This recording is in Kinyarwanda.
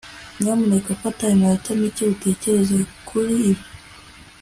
nyamuneka fata iminota mike utekereza kuri ibi